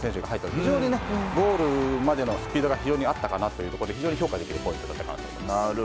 非常にゴールまでのスピードがあったかなというところで非常に評価できるポイントだったと思います。